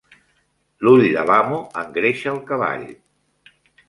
L'ull de l'amo engreixa el cavall